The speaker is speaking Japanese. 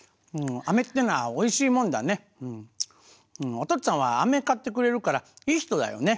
おとっつぁんはあめ買ってくれるからいい人だよね。